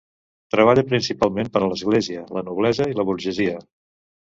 Treballà principalment per a l'Església, la noblesa i la burgesia.